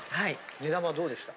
目玉はどうでした？